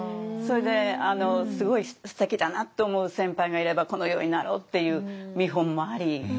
それですごいすてきだなって思う先輩がいればこのようになろうっていう見本もあり。